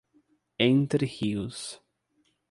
Entre Rios